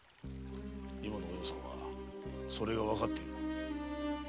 今のお葉さんはそれがわかっている。